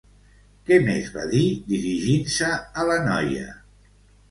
Què més va dir, dirigint-se a la noia?